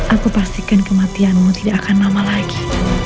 aku pastikan kematianmu tidak akan lama lagi